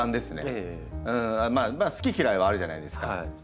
まあ好き嫌いはあるじゃないですか。